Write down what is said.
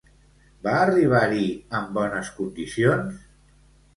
Va arribar-hi en bones condicions?